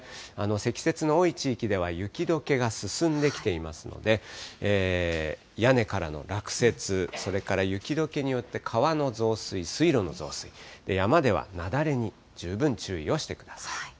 積雪の多い地域では雪どけが進んできていますので、屋根からの落雪、それから雪どけによって川の増水、水路の増水、山では雪崩に十分注意をしてください。